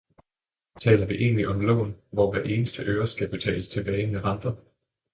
Taler vi egentlig om lån, hvor hver eneste øre skal betales tilbage med renter?